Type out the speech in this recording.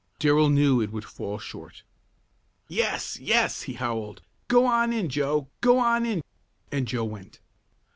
Darrell knew it would fall short. "Yes! Yes!" he howled. "Go on in, Joe! Go on in!" And Joe went.